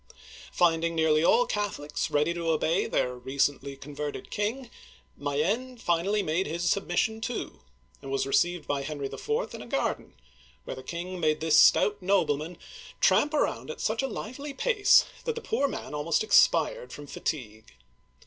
Finding nearly all Catholics ready to obey their recently converted king, Mayenne finally made his submission, too, and was received by Henry IV. in a garden, where the king made this stout nobleman tramp around at such a lively pace that the poor man almost expired from fatigue.